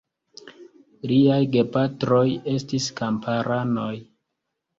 Liaj gepatroj estis kamparanoj.